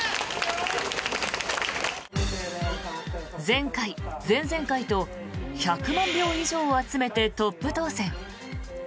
前回、前々回と１００万票以上を集めてトップ当選。